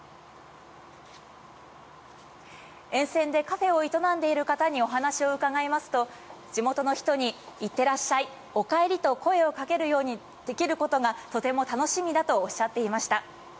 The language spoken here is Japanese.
沿線でカフェを営んでいる方にお話を伺いますと、地元の人に、いってらっしゃい、お帰りと声をかけるようにできることが、とても楽しみだとおっしゃっていました。